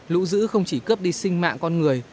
lũ giữ không chỉ cướp đi sinh mạng con người